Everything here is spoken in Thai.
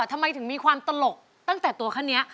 ทำไมถึงมีความตลกตั้งแต่ตัวขั้นนี้